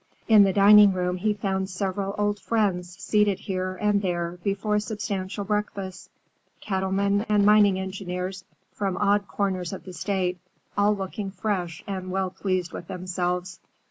In the dining room he found several old friends seated here and there before substantial breakfasts: cattlemen and mining engineers from odd corners of the State, all looking fresh and well pleased with themselves.